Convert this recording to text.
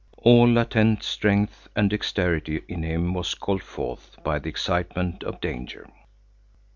All latent strength and dexterity in him was called forth by the excitement of danger.